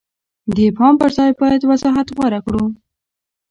د ابهام پر ځای باید وضاحت غوره کړو.